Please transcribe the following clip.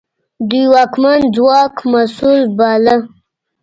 دوی واکمن ځواک مسوول باله.